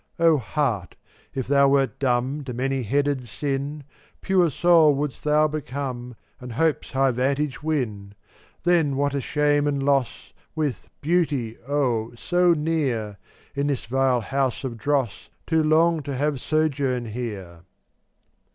459 Oh, heart, if thou wert dumb To many headed Sin, Pure Soul wouldst thou become, And hope's high vantage win. Then what a shame and loss, With Beauty, oh, so near, In this vile house of dross To long have sojourn here.